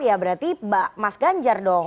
ya berarti mas ganjar dong